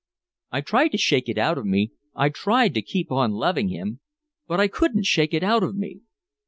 I tried to shake it out of me, I tried to keep on loving him! But I couldn't shake it out of me!